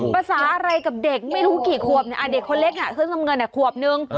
ปราศาอะไรกับเด็กไม่รู้กี่ควบเนี้ยอ่าเด็กคนเล็กน่ะขึ้นทำเงินเนี้ยควบหนึ่ง